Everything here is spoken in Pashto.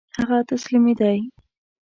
هغه تسلیمېدی.